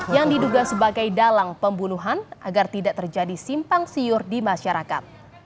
yang diduga sebagai dalang pembunuhan agar tidak terjadi simpang siur di masyarakat